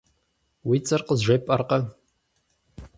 Уи цӀэр къызжепӀэркъэ.